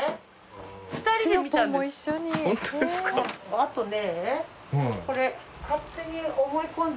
あとね。